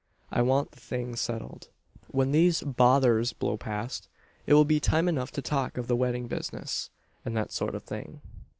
I want the thing settled. When these bothers blow past, it will be time enough to talk of the wedding business, and that sort of thing."